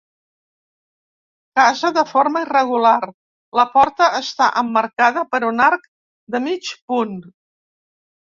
Casa de forma irregular, la porta està emmarcada per un arc de mig punt.